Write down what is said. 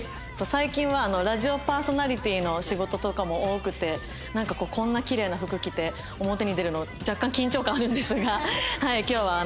最近はラジオパーソナリティーの仕事とかも多くてなんかこんなキレイな服着て表に出るの若干緊張感あるんですが今日は参加できてうれしいので。